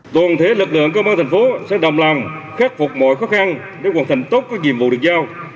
tổng thể lực lượng công an tp sẽ đồng lòng khép phục mọi khó khăn để hoàn thành tốt các nhiệm vụ được giao